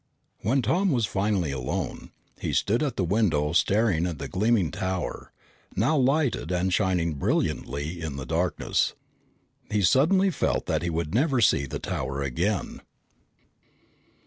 When Tom was finally alone, he stood at the window, staring at the gleaming tower, now lighted and shining brilliantly in the darkness. He suddenly felt that he would never see the tower again.